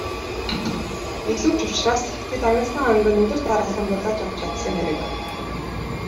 Илүү ч учраас тэд агнасан анг нь өдөр дараалан булааж авч чадсан хэрэг.